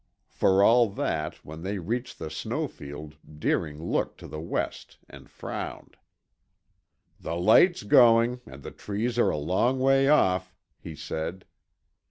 For all that, when they reached the snow field Deering looked to the west and frowned. "The light's going and the trees are a long way off," he said.